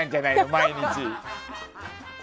毎日。